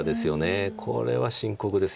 これは深刻ですよね。